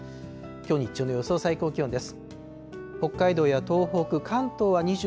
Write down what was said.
きょう日中の予想最高気温です。